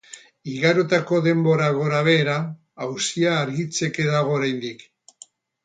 Igarotako denbora gorabehera, auzia argitzeke dago oraindik.